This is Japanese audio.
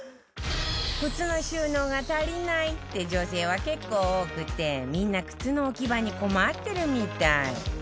靴の収納が足りないって女性は結構多くてみんな靴の置き場に困ってるみたい